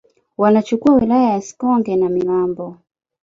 wanachukua wilaya ya Sikonge na Mirambo